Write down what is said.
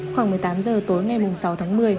khoảng một mươi tám h tối ngày sáu tháng một mươi